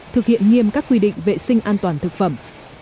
thực hiện nghiêm các quy định vệ sinh an toàn thực phẩm